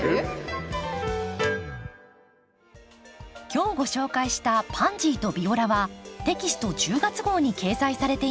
今日ご紹介した「パンジーとビオラ」はテキスト１０月号に掲載されています。